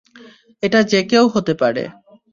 এটা যে কেউ হতে পারে।